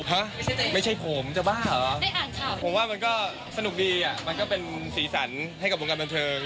ฮะไม่ใช่ผมจะบ้าเหรอผมว่ามันก็สนุกดีอ่ะมันก็เป็นสีสันให้กับวงการบันเทิง